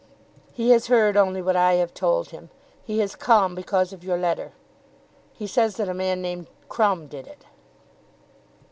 "He has heard only what I have told him. He has come because of your letter. He says that a man named Crumb did it."